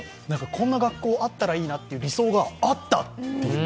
こんな学校、あったらいいなという理想が、あった！という。